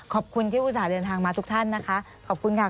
ขอบคุณที่อุตส่าห์เดินทางมาทุกท่านนะคะ